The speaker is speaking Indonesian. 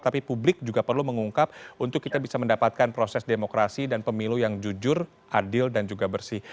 tapi publik juga perlu mengungkap untuk kita bisa mendapatkan proses demokrasi dan pemilu yang jujur adil dan juga bersih